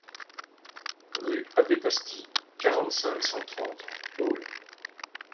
Rue Abbé Pasty, quarante-cinq, cent trente Baule